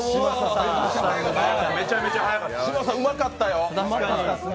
嶋佐、うまかったよ。